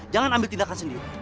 jangan ambil tindakan sendiri